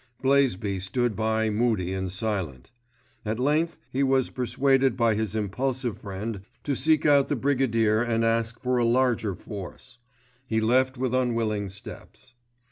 Blaisby stood by moody and silent. At length he was persuaded by his impulsive friend to seek out the Brigadier and ask for a larger force. He left with unwilling steps.